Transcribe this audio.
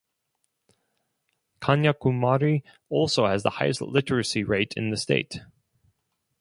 Kanyakumari also has the highest literacy rate in the state.